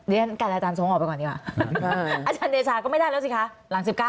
เดี๋ยวก่อนอาจารย์เดชาก็ไม่ได้แล้วสิคะหลัง๑๙